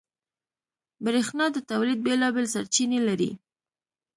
برېښنا د تولید بېلابېل سرچینې لري.